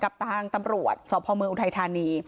กับทางตำรวจสพเมืองอุทัยธานี